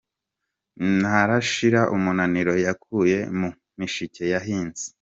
Ntarashira umunaniro yakuye mu mishike yahinze.